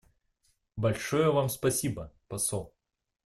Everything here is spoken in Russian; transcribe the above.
Большое Вам спасибо, посол.